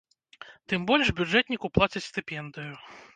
Тым больш, бюджэтніку плацяць стыпендыю.